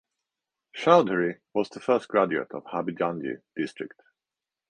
Chowdhury was the first graduate of Habiganj District.